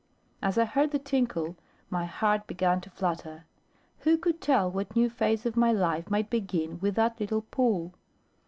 As I heard the tinkle, my heart began to flutter: who could tell what new phase of my life might begin with that little pull?